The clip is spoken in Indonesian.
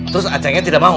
terus acingnya tidak mau